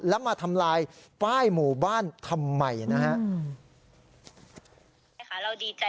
แล้วมาทำลายป้ายหมู่บ้านทำไมนะฮะ